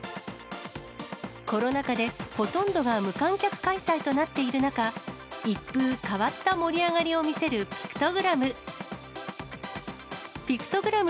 コロナ禍でほとんどが無観客開催となっている中、一風変わった盛り上がりを見せるピクトグラム。